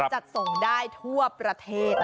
จัดส่งได้ทั่วประเทศ